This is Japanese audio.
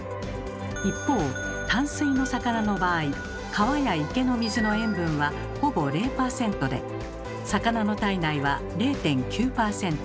一方淡水の魚の場合川や池の水の塩分はほぼ０％で魚の体内は０．９％。